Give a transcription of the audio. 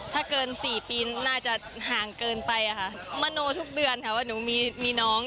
ถ้าเกิน๔ปีน่าจะห่างเกินไปอะค่ะมโนทุกเดือนค่ะว่าหนูมีน้อง